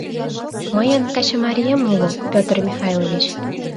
- Мыйын качымарием уло, - Петр Михайлович.